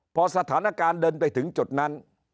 พอสถานการณ์เดินไปถึงจุดนั้น